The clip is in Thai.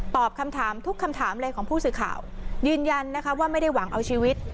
คำถามทุกคำถามเลยของผู้สื่อข่าวยืนยันนะคะว่าไม่ได้หวังเอาชีวิต